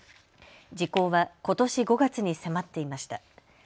時効はことし５月に迫っていました。